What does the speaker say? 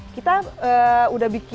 kita udah bikin buburnya nih